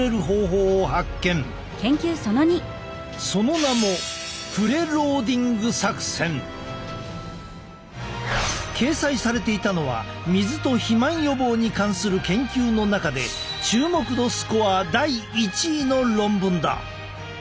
その名も掲載されていたのは水と肥満予防に関する研究の中で注目度スコア第１位の論文だ。